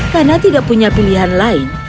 karena tidak punya pilihan lain